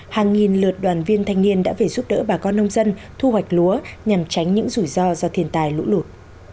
hàng nghìn lượt đoàn viên thanh niên đã về giúp đỡ bà con nông dân thu hoạch lúa nhằm tránh những rủi ro do thiên tài lũ lụt